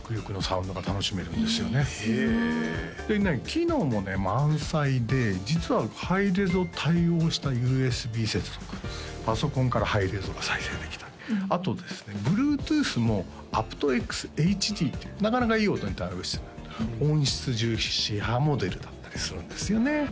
機能もね満載で実はハイレゾ対応したＵＳＢ接続パソコンからハイレゾが再生できたりあとですねＢｌｕｅｔｏｏｔｈもａｐｔＸＨＤっていうなかなかいい音に対応して音質重視モデルだったりするんですよね